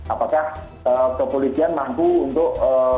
apakah kepolisian mampu untuk